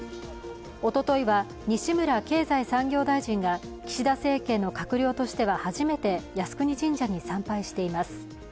おとといは西村経済産業大臣が岸田政権の閣僚としては初めて靖国神社に参拝しています。